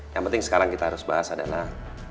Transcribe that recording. yang penting sekarang kita harus bahas adalah